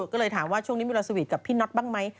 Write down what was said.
ก็เลยถามว่าช่วงนี้มีเวลาสวีทกับพี่น็อตบ้างไหม